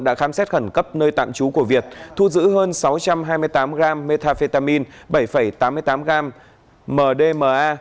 đã khám xét khẩn cấp nơi tạm trú của việt thu giữ hơn sáu trăm hai mươi tám gram metafetamine bảy tám mươi tám gram mdma